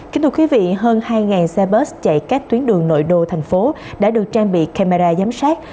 kính thưa quý vị hơn hai xe bớt chạy các tuyến đường nội đô thành phố đã được trang bị camera giám sát